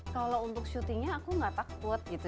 kalo untuk syutingnya aku gak takut gitu